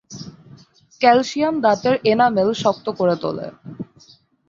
Calcium দাঁতের enamel শক্ত করে তোলে।